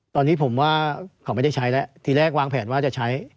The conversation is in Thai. ตอนนี้ผมว่าเขาไม่ได้ใช้แล้วทีแรกวางแผนว่าจะใช้